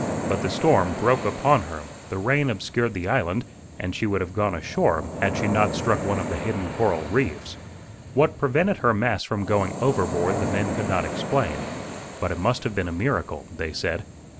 But the storm broke upon her, the rain obscured the island, and she would have gone ashore had she not struck one of the hidden coral reefs. What prevented her masts from going overboard the men could not explain; but it must have been a miracle, they said.